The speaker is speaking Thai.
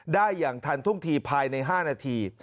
ได้อย่างทันทุ่งทีภายใน๕นาที